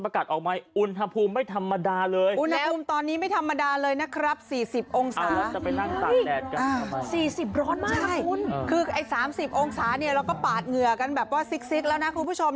คือไอ้๓๐องศาเนี่ยเราก็ปาดเหงื่อกันแบบว่าซิกแล้วนะคุณผู้ชม